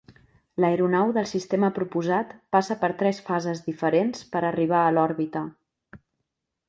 L'aeronau del sistema proposat passa per tres fases diferents per a arribar a l'òrbita.